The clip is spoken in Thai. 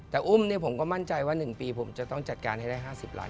แต่อุ้มผมก็มั่นใจว่า๑ปีผมจะต้องจัดการให้ได้๕๐ล้าน